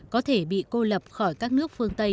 có thể bị cô lập khỏi các nước phương tây